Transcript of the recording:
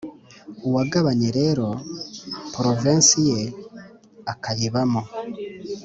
uwagabanye rero provinsi ye akayibamo